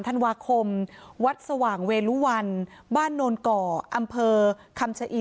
ธันวาคมวัดสว่างเวลุวันบ้านโนนก่ออำเภอคำชะอี